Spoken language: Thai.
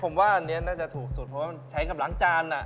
ผมว่าอันนี้น่าจะถูกสุดเพราะว่ามันใช้กับล้างจาน